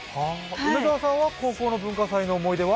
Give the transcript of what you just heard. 梅澤さんは、高校の文化祭の思い出は？